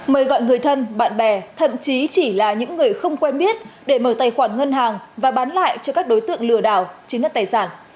mời gọi người thân bạn bè thậm chí chỉ là những người không quen biết để mở tài khoản ngân hàng và bán lại cho các đối tượng lừa đảo chiếm đất tài sản